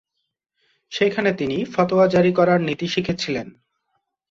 সেখানে তিনি ফতোয়া জারি করার নীতি শিখেছিলেন।